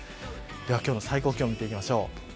では、今日の最高気温見ていきましょう。